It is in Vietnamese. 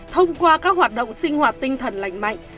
thông qua các hoạt động sinh hoạt tinh thần lạnh mạnh